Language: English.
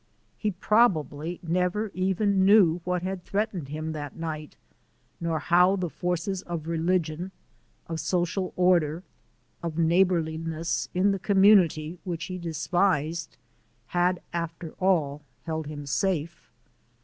He probably never even knew what had threatened him that night, nor how the forces of religion, of social order, of neighbourliness in the community which he despised had, after all, held him safe.